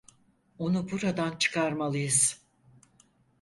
Onu buradan çıkarmalıyız.